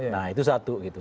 nah itu satu gitu